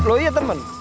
oh ya teman